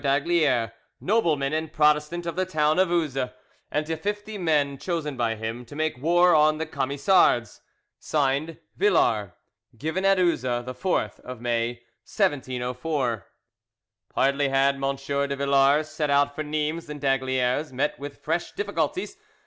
d'Aygaliers, nobleman and Protestant of the town of Uzes, and to fifty men chosen by him, to make war on the Camisards. "(Signed) "VILLARS "Given at Uzes, the 4th of May 1704" Hardly had M. de Villars set out for Nimes than d'Aygaliers met with fresh difficulties.